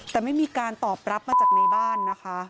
แต่ไม่มีการตอบรับมาจากในบ้านนะคะ